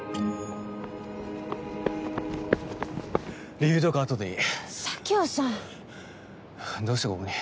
理由とかあとでいい佐京さんどうしてここに？